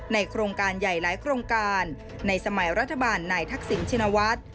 โครงการใหญ่หลายโครงการในสมัยรัฐบาลนายทักษิณชินวัฒน์